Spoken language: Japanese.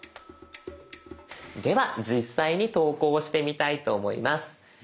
では実際に投稿してみたいと思います。